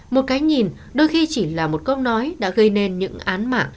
một cái nhìn đôi khi chỉ là một câu nói đã gây nên những án mạng